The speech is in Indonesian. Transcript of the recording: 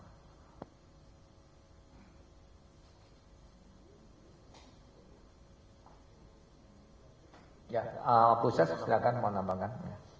ya proses silakan mau nambangkan